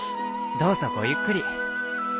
どうぞごゆっくり。